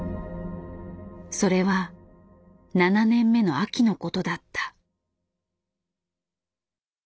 それは７年目の秋のことだった。